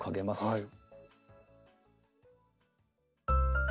はい。